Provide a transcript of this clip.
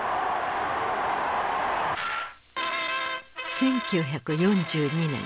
１９４２年。